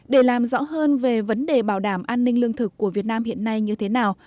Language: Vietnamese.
để làm rõ hơn về vấn đề bảo đảm an ninh lương thực của việt nam hiện nay như thế nào